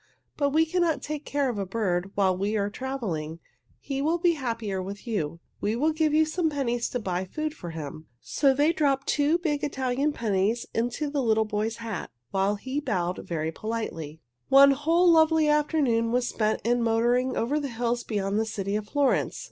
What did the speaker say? But we cannot take care of a bird while we are traveling. He will be happier with you. We will give you some pennies to buy food for him." So they dropped two big Italian pennies into the little boy's hat, while he bowed very politely. One whole lovely afternoon was spent in motoring over the hills beyond the city of Florence.